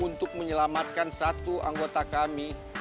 untuk menyelamatkan satu anggota kami